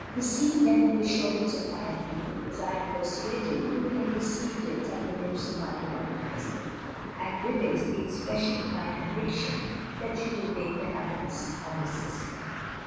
Receive then the assurance of my approval, as I am persuaded you would have received it from the lips of my beloved husband ; and with it the expression of my conviction that you will make the happiness of his sister.